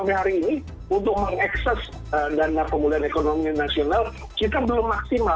umkmnya dibantu tapi kalau tidak ada penjualan ya tentu tidak akan berdampak bantuan umkmnya